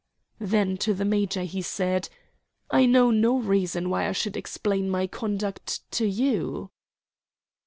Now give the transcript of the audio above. Then to the major he said, "I know no reason why I should explain my conduct to you."